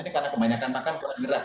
karena kebanyakan makan kurang gerak